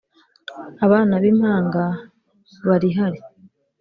abana bi mpanga barihari